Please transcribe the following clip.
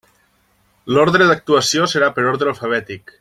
L'ordre d'actuació serà per ordre alfabètic.